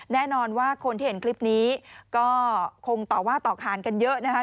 แน่นอนว่าคนที่เห็นคลิปนี้ก็คงต่อว่าต่อขานกันเยอะนะคะ